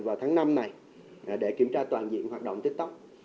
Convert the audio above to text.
vào tháng năm này để kiểm tra toàn diện hoạt động tiktok